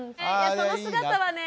その姿はね